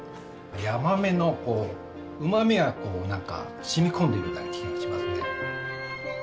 ヤマメのうまみがこうなんか染み込んでるみたいな気がしますね。